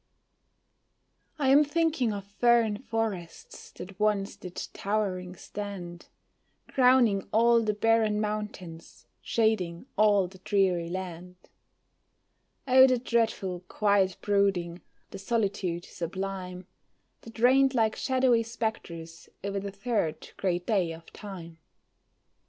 I am thinking of fern forests that once did towering stand, Crowning all the barren mountains, shading all the dreary land. Oh, the dreadful, quiet brooding, the solitude sublime, That reigned like shadowy spectres o'er the third great day of time.